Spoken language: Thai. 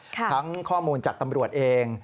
ข้อมูลจากตำรวจเอง